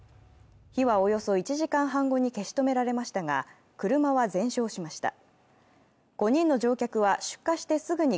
火はおよそ１時間半後に消し止められました、車は全焼しました。